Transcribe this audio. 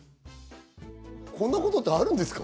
こんなことってあるんですか？